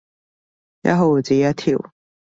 一毫子一條